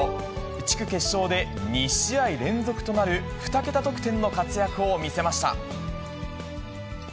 地区決勝で２試合連続となる２桁得点の活躍を見せました。